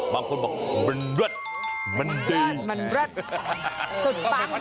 บางคนบอกมันดรัดมันดีมันดรัดมันดรัดสุดฟัง